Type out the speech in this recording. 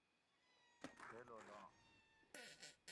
فیلو لام